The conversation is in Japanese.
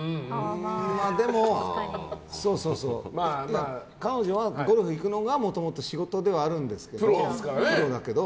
でも、彼女はゴルフに行くのがもともと仕事ではあるんですけどプロだけど。